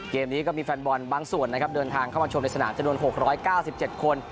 เกมนี้ก็มีแฟนบอลบางส่วนนะครับเดินทางเข้ามาชมในสนามจำนวน๖๙๗คน